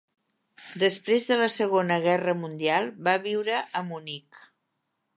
Després de la Segona Guerra Mundial, va viure a Munic.